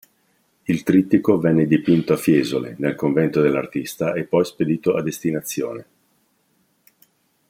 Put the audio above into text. Il trittico venne dipinto a Fiesole, nel convento dell'artista e poi spedito a destinazione.